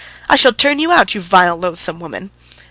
"I shall turn you out, you vile, loathsome woman!"